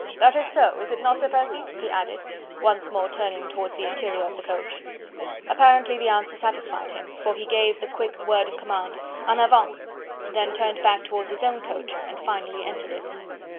That is so, is it not, Sir Percy?" he added, once more turning towards the interior of the coach. Apparently the answer satisfied him, for he gave the quick word of command, "En avant!" then turned back towards his own coach and finally entered it.